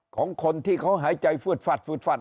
ของคนที่เขาหายใจฟืดฟัดฟืดฟัด